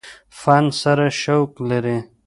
فن سره شوق لري ۔